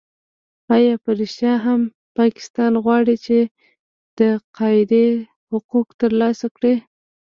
آیا په رښتیا هم پاکستان غواړي چې د تقاعد حقوق ترلاسه کړي؟